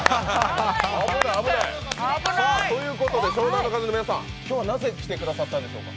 勢いよく危ない！ということで湘南乃風の皆さん、今日はなぜ来てくださったんでしょうか？